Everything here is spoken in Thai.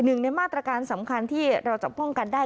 หนึ่งในมาตรการสำคัญที่เราจะป้องกันได้